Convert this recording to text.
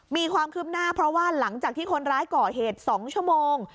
มีความคืบหน้าเพราะว่าหลังจากที่คนร้ายก่อเหตุ๒ชั่วโมง